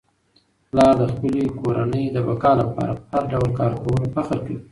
پلار د خپلې کورنی د بقا لپاره په هر ډول کار کولو فخر کوي.